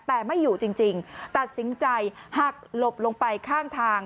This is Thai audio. แต่ไม่อยู่จริงตัดสินใจหักหลบลงไปข้างทาง